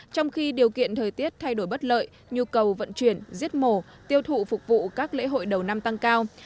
trong khi điều kiện thời tiết thay đổi bất lợi nhu cầu vận chuyển giết mổ tiêu thụ phục vụ các lễ hội đầu năm tăng cao